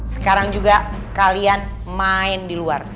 sekarang juga kalian main di luar